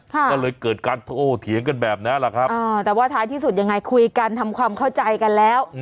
ก็เลยเกิดการโถเถียงกันแบบนั้นแหละครับแต่ว่าท้ายที่สุดยังไงคุยกันทำความเข้าใจกันแล้ว